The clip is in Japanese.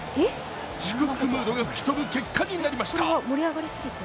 祝福ムードが吹き飛ぶ結果になりました。